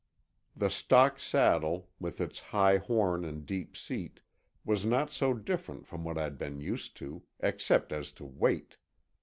The stock saddle, with its high horn and deep seat, was not so different from what I'd been used to—except as to weight.